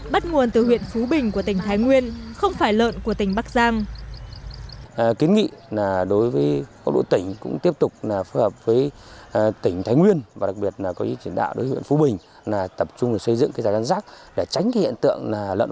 bắt nguồn từ huyện phú bình của tỉnh thái nguyên không phải lợn của tỉnh bắc giang